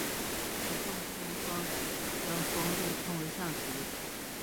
北宋朱彧将双陆称为象棋。